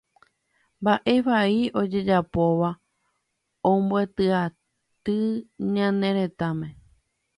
Mbaʼe vai ojejapóva ombyetiai ñane retãme.